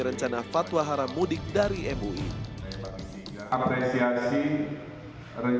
rencana fatwa haram mudik dari mui apresiasi rencana fatwa dari mui yang akan memberikan